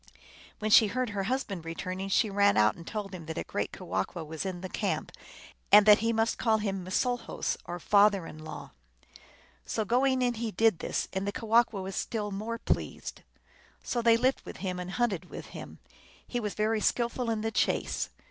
When she heard her husband returning she ran out and told him that a great Kewahqu was in the camp, and that he must call him M sil hose, or " father in law." So going in he did this, and the Kewahqu was still more pleased. So they lived with him, and hunted with him. He was very skillful in the chase.